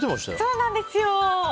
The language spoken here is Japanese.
そうなんですよ！